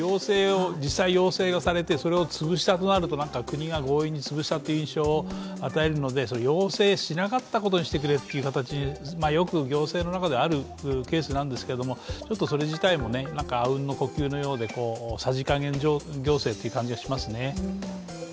実際要請をされて、それを潰すと国が強引に潰したという印象を与えるので、要請しなかったことにしてくれっていう行政の中ではよくあるケースなんですがそれ自体も、あうんの呼吸のようでさじかげん行政という感じがしますね。